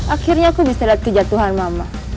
akhirnya aku bisa lihat kejatuhan mama